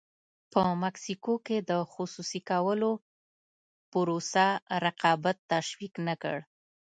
په مکسیکو کې د خصوصي کولو پروسه رقابت تشویق نه کړ.